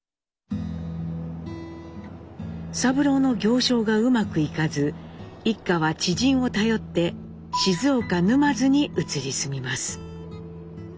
三郎の行商がうまくいかず一家は知人を頼って静岡沼津に移り住みます。